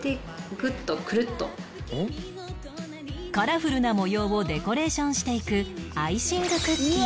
カラフルな模様をデコレーションしていくアイシングクッキー